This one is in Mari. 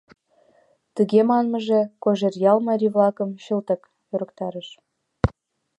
Тыге манмыже Кожеръял марий-влакым чылтак ӧрыктарыш.